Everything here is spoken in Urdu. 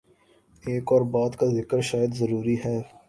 ایک اور بات کا ذکر شاید ضروری ہے۔